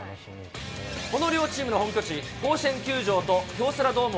この両チームの本拠地、甲子園球場と京セラドーム